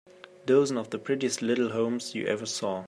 Dozens of the prettiest little homes you ever saw.